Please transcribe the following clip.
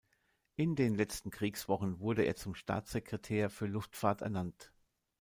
In den letzten Kriegswochen wurde er zum Staatssekretär für Luftfahrt ernannt.